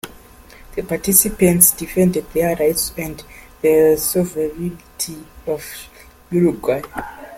The participants defended their rights and the sovereignty of Uruguay.